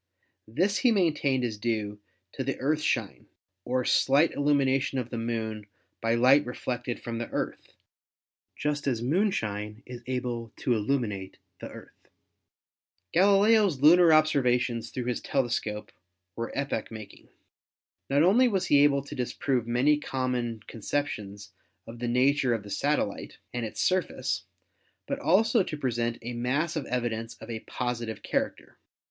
This he maintained is due to the earthshine or slight illumination of the Moon by light reflected from the Earth, just as moonshine is able to illuminate the Earth. Galileo's lunar observations through his telescope were epoch making. Not only was he able to disprove many common conceptions of the nature of the satellite and its surface, but also to present a mass of evidence of a positive character.